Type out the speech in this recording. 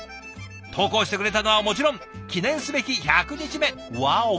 投稿してくれたのはもちろん記念すべき１００日目。わお！